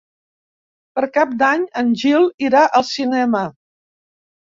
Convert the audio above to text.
Per Cap d'Any en Gil irà al cinema.